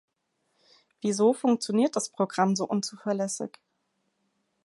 Wieso funktioniert das Programm so unzuverlässig?